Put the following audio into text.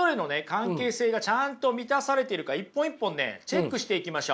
関係性がちゃんと満たされているか一本一本ねチェックしていきましょう。